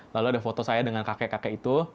lalu ada foto saya dengan kakek kakek itu